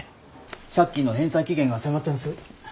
借金の返済期限が迫ってます。